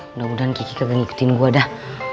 mudah mudahan kiki gak ngikutin gua dah